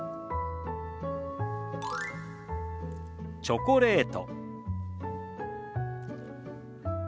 「チョコレート」。